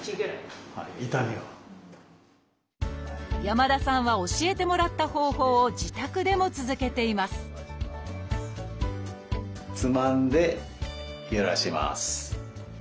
山田さんは教えてもらった方法を自宅でも続けていますつまんでゆらします。